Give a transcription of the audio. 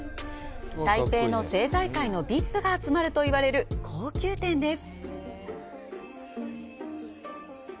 台北の政財界のＶＩＰが集まると言われる高級店です。